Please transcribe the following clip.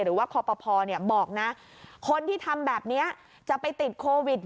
หรือว่าคอปภบอกนะคนที่ทำแบบนี้จะไปติดโควิด